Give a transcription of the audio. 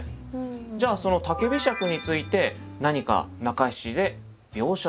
じゃあその竹柄杓について何か中七で描写をする。